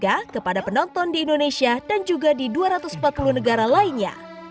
kepada penonton di indonesia dan juga di dua ratus empat puluh negara lainnya